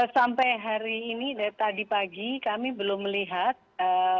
sampai hari ini tadi pagi kami belum melihat